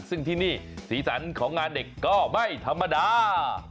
ซึ่งที่นี่สีสันของงานเด็กก็ไม่ธรรมดา